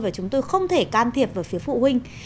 và chúng tôi không thể can thiệp vào phía phụ huynh